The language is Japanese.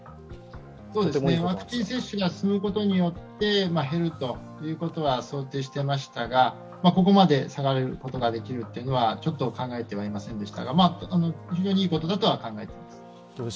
ワクチン接種が進むことによって減るということは想定していましたがここまで下がることができるというのは、ちょっと考えてはいませんでしたが、非常にいいことだとは考えています。